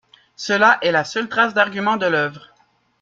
Cela est la seule trace d'argument de l'œuvre.